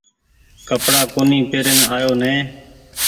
ڪپڙآ ڪونيٚ پيرين آيو نئي ۔